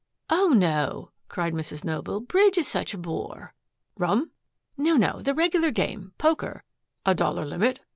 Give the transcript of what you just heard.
"Oh, no," cried Mrs. Noble. "Bridge is such a bore." "Rum?" "No no. The regular game poker." "A dollar limit?"